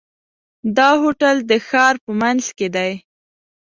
دا هوټل د ښار په منځ کې دی.